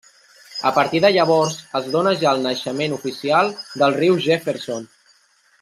A partir de llavors, es dóna ja el naixement oficial del riu Jefferson.